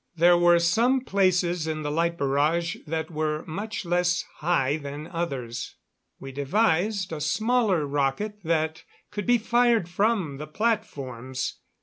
There were some places in the light barrage that were much less high than others. We devised a smaller rocket that could be fired from the platforms.